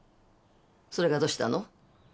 それがどうしたの？